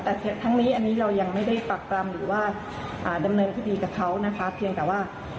ถ้าสมมติพยาหลักฐานมันชี้ชัดมันก็สามารถดำเนินคดีได้อยู่แล้ว